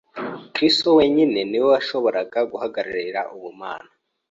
Kristo wenyine ni we washoboye guhagararira ubumana